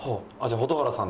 蛍原さん。